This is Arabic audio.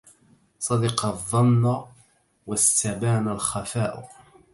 صدق الظن واستبان الخفاء